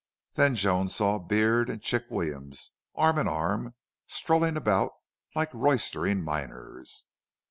Then Joan saw Beard and Chick Williams arm in arm, strolling about, like roystering miners.